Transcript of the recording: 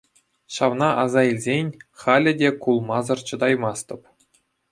Ҫавна аса илсен, халӗ те кулмасӑр чӑтаймастӑп.